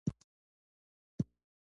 شريف دريڅې ته منډه کړه.